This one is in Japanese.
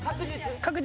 確実。